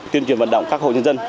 tuyên truyền vận động các hộ nhân dân